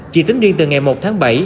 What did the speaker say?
chỉ tính riêng từ ngày một tháng bảy